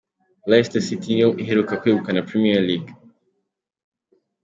Leicester City niyo iheruka kwegukana Premier League